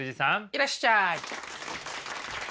いらっしゃい。